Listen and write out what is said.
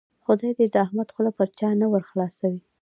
خدای دې د احمد خوله پر چا نه ور خلاصوي.